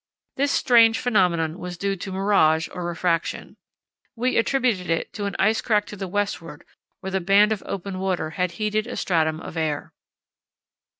This strange phenomenon was due to mirage or refraction. We attributed it to an ice crack to the westward, where the band of open water had heated a stratum of air.